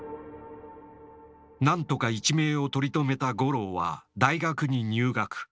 何とか一命を取り留めた五郎は大学に入学。